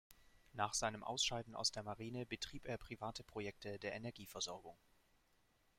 Nach seinem Ausscheiden aus der Marine betrieb er private Projekte der Energieversorgung.